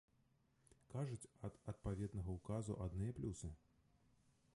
Кажуць, ад адпаведнага ўказу адныя плюсы!